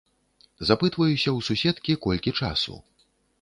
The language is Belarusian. Запытваюся ў суседкі, колькі часу.